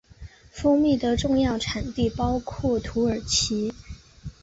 蜂蜜的重要产地包括土耳其。